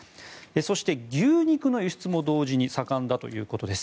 そして、牛肉の輸出も同時に盛んだということです。